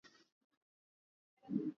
Wapenzi wa kiholela, pia wanakuogopa,